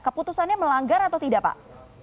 keputusannya melanggar atau tidak pak